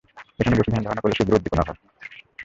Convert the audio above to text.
এখানে বসে ধ্যানধারণা করলে শীঘ্র উদ্দীপনা হয়।